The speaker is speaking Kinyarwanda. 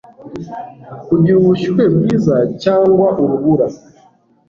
kugira ubushyuhe bwiza cyangwa urubura